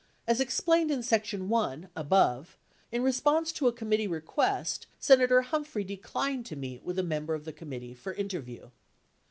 As explained in section I above, in response to a committee request, Senator Humhprey declined to meet with a member of the committee for interview.